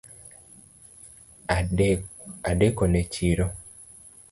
Adekone chiro